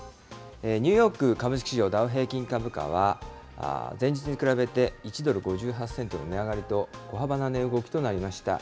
ニューヨーク株式市場、ダウ平均株価は、前日に比べて１ドル５８セントの値上がりと、小幅な値動きとなりました。